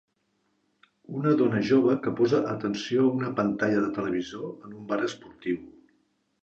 Una dona jove que posa atenció a una pantalla de televisor en un bar esportiu